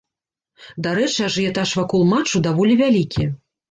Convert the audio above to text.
Дарэчы, ажыятаж вакол матчу даволі вялікі.